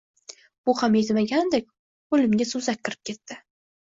Bu ham yetmagandek, qo‘limga so‘zak kirib ketdi.